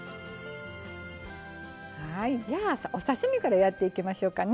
じゃあ、お刺身からやっていきましょうかね。